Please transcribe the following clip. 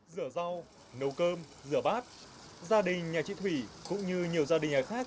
rửa rau nấu cơm rửa bát gia đình nhà trị thủy cũng như nhiều gia đình nhà khác